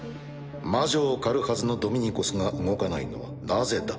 魔女を狩るはずのドミニコスが動かないのはなぜだ？